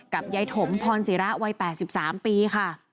ยายถมพรศิระวัย๘๓ปีค่ะ